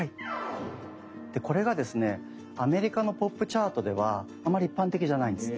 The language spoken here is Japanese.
これがですねアメリカのポップチャートではあまり一般的じゃないんです。